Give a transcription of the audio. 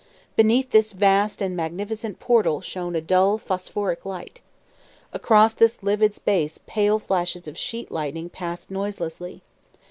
Beneath this vast and magnificent portal shone a dull phosphoric light. Across this livid space pale flashes of sheet lightning passed noiselessly.